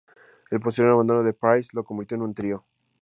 El posterior abandono de Price los convirtió en un trío.